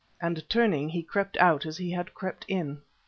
and turning he crept out as he had crept in.